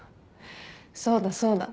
そうだそうだ。